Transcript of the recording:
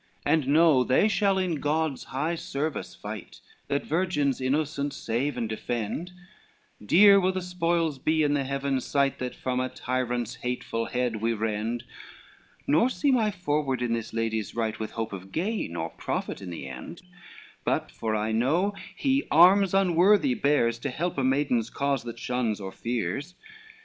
LXXX "And know, they shall in God's high service fight, That virgins innocent save and defend: Dear will the spoils be in the Heaven's sight, That from a tyrant's hateful head we rend: Nor seemed I forward in this lady's right, With hope of gain or profit in the end; But for I know he arms unworthy bears, To help a maiden's cause that shuns or fears.